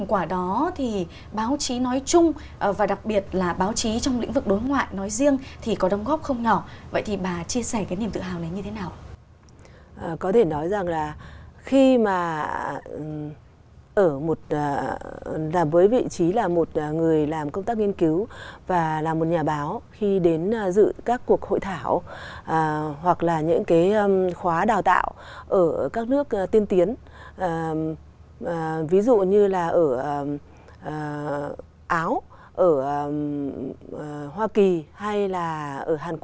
học viện báo chí học viện báo chí và tuyên truyền